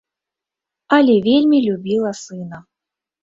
Але вельмі любіла сына.